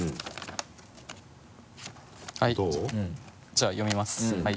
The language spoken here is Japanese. じゃあ読みます。